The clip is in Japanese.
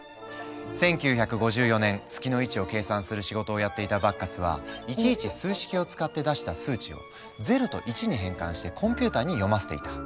１９５４年月の位置を計算する仕事をやっていたバッカスはいちいち数式を使って出した数値を０と１に変換してコンピューターに読ませていた。